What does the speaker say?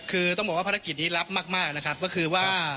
คือต้องบอกว่าภารกิจนี้รับมากนะครับก็คือว่า